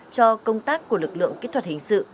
cho công tác của lực lượng kỹ thuật hình sự